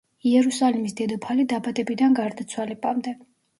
იერუსალიმის დედოფალი დაბადებიდან გარდაცვალებამდე.